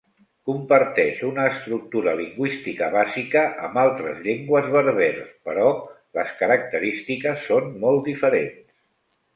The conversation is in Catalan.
Comparteix una estructura lingüística bàsica amb altres llengües berbers, però les característiques són molt diferents.